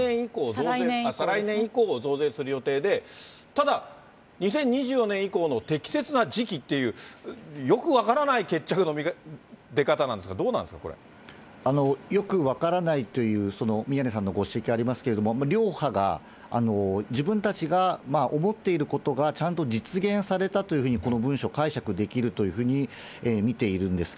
再来年以降増税する予定で、ただ、２０２４年以降の適切な時期っていう、よく分からない決着の出方なんですが、よく分からないという、その宮根さんのご指摘ありますけれども、両派が、自分たちが思っていることがちゃんと実現されたというふうにこの文書解釈できるというふうに見ているんです。